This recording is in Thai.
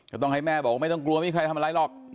ต้องให้แม่บอกว่าไม่ต้องกลัวไม่มีใครทำอะไรหรอก